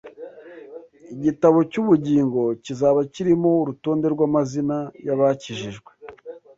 Igitabo cy’ubugingo » kizaba kirimo urutonde rw’amazina y’abakijijwe